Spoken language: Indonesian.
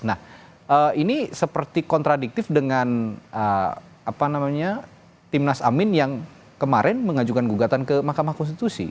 nah ini seperti kontradiktif dengan tim nas amin yang kemarin mengajukan gugatan ke mahkamah konstitusi